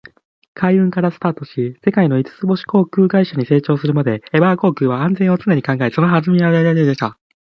海運からスタートし、世界の五つ星航空会社に成長するまで、エバー航空は「安全」を常に考え、その歩みを積み重ねてきました。